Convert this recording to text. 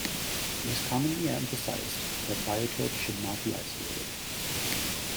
It is commonly emphasised that biotopes should not be isolated.